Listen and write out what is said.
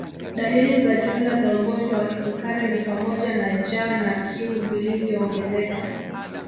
Dalili za jumla za ugonjwa wa kisukari ni pamoja na jaa na kiu viliyoongezeka